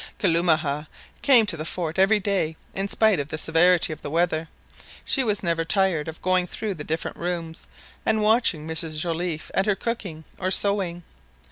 Kalumah came to the fort every day in spite of the severity of the weather. She was never tired of going through the different rooms, and watching Mrs Joliffe at her cooking or sewing.